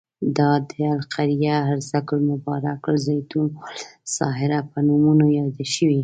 دا د القریه، ارض المبارک، الزیتون او الساهره په نومونو یاد شوی.